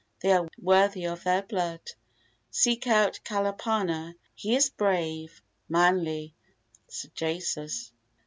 They are worthy of their blood. Seek out Kalapana. He is brave, manly, sagacious.